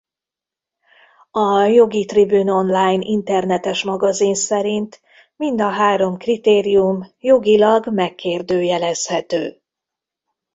A Jogi Tribune Online internetes magazin szerint mind a három kritérium jogilag megkérdőjelezhető.